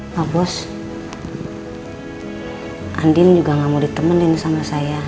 pak bos andin juga gak mau ditemenin sama saya